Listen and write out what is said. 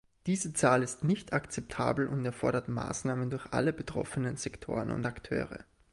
Diese Zahl ist nicht akzeptabel und erfordert Maßnahmen durch alle betroffenen Sektoren und Akteure.